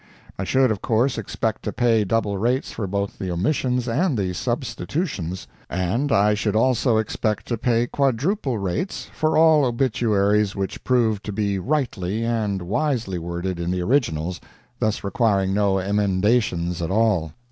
I should, of course, expect to pay double rates for both the omissions and the substitutions; and I should also expect to pay quadruple rates for all obituaries which proved to be rightly and wisely worded in the originals, thus requiring no emendations at all.